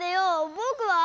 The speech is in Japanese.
ぼくは？